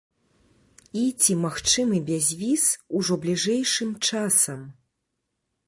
І ці магчымы бязвіз ужо бліжэйшым часам?